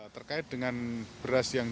terkait dengan beras yang